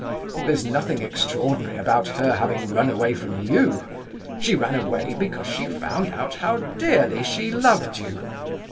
There's nothing extraordinary about her having run away from you! She ran away because she found out how dearly she loved you.